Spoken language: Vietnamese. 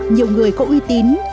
nhiều người có uy tín